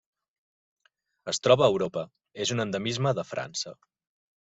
Es troba a Europa: és un endemisme de França.